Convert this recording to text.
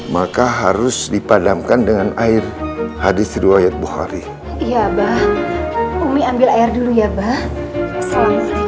maka harus dipadamkan dengan air hadits riwayat bukhari ya abah umi ambil air dulu ya bahwa